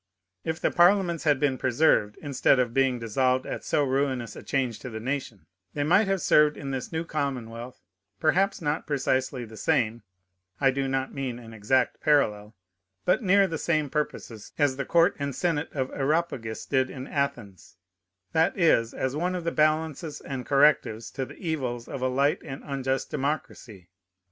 If the parliaments had been preserved, instead of being dissolved at so ruinous a change to the nation, they might have served in this new commonwealth, perhaps not precisely the same, (I do not mean an exact parallel,) but near the same purposes as the court and senate of Areopagus did in Athens: that is, as one of the balances and correctives to the evils of a light and unjust democracy.